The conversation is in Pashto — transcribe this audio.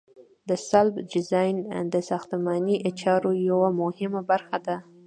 د سلب ډیزاین د ساختماني چارو یوه مهمه برخه ده